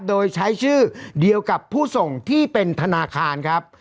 โดยใช้ชื่อเดียวกับผู้ส่งที่เป็นธนาคารครับ